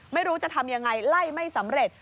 ไม่รู้จะทำยังไงไล่ไม่สำเร็จ